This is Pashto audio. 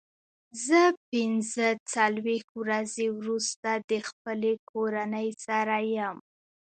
زه پنځه څلوېښت ورځې وروسته د خپلې کورنۍ سره یم.